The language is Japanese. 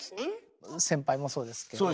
先輩もそうですけどはい。